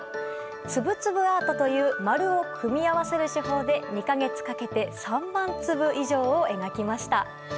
つぶつぶアートという丸を組み合わせる手法で２か月かけて３万粒以上を描きました。